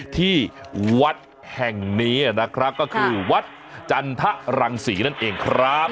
ที่วัดแห่งนี้นะครับก็คือวัดจันทะรังศรีนั่นเองครับ